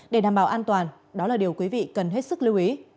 để đảm bảo an toàn đó là điều quý vị cần hết sức lưu ý